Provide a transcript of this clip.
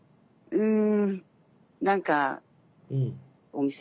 うん。